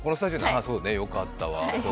そうね、よかったわ。